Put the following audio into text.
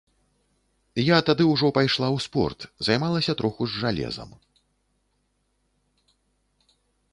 Я тады ўжо пайшла ў спорт, займалася троху з жалезам.